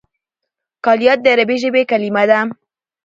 کلیات د عربي ژبي کليمه ده.